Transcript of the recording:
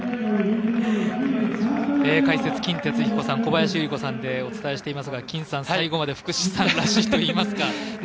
解説、金哲彦さん小林祐梨子さんでお伝えしていますが金さん、最後まで福士さんらしいといいますか。